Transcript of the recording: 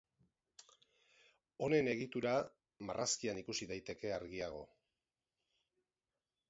Honen egitura marrazkian ikus daiteke argiago.